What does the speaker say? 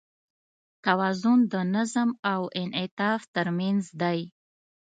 توازن د نظم او انعطاف تر منځ دی.